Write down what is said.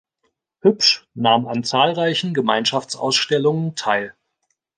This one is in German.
Hübsch nahm an zahlreichen Gemeinschaftsausstellungen teil.